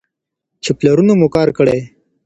چې پلرونو مو کار کړی.